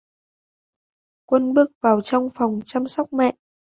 Quân bước vào trong phòng chăm sóc mẹ